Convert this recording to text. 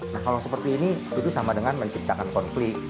nah kalau seperti ini itu sama dengan menciptakan konflik